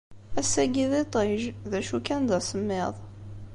Ass-agi d iṭij, d acu kan d asemmiḍ.